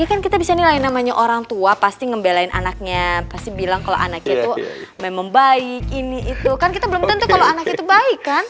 ini kan kita bisa nilai namanya orang tua pasti ngebelain anaknya pasti bilang kalau anaknya itu memang baik ini itu kan kita belum tentu kalau anak itu baik kan